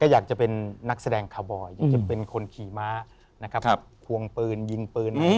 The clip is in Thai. อยากจะเป็นนักแสดงคาวบอยอยากจะเป็นคนขี่ม้านะครับควงปืนยิงปืน